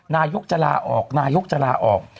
นายกจะลาออกนายกจะลาออก